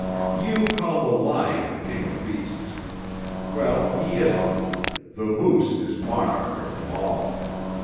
You call the lion the king of beasts. Well, he isn't. The moose is monarch of them all.